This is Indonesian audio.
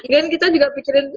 dan kita juga pikirin